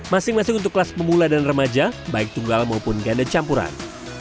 masing masing untuk kelas pemula dan remaja baik tunggal maupun ganda campuran